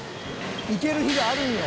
いける日があるんよ」